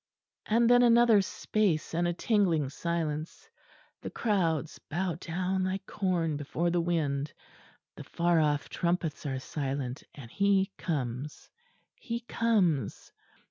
And then another space and a tingling silence; the crowds bow down like corn before the wind, the far off trumpets are silent; and He comes He comes!